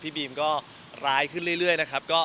บีมก็ร้ายขึ้นเรื่อยนะครับ